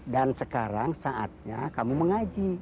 dan sekarang saatnya kamu mengaji